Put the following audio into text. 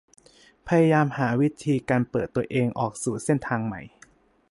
พยายามหาวิธีการเปิดตัวเองออกสู่เส้นทางใหม่